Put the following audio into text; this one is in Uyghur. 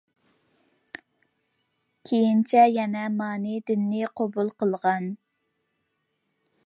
كېيىنچە يەنە مانى دىنىنى قوبۇل قىلغان.